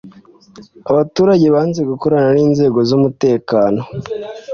Abaturage banze gukorana n’inzego z’umutekano.